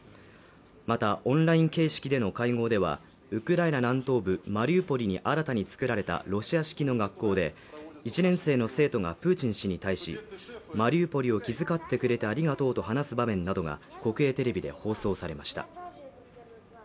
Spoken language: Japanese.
またオンライン形式での会合ではウクライナ南東部マリウポリに新たに作られたロシア式の学校で１年生の生徒がプーチン氏に対しマリウポリを気遣ってくれてありがとうと話す場面などが国営テレビで放送されました